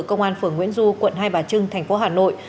công an phường nguyễn du quận hai bà trưng thành phố hà nội